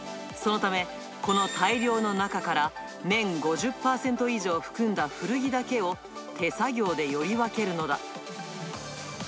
そのため、この大量の中から綿５０％以上含んだ古着だけを、手作業でより分けるのだ。